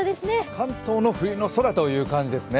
関東の冬の空という感じですね。